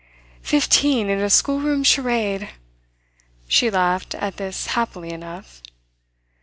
"Fifteen in a schoolroom charade!" She laughed at this happily enough.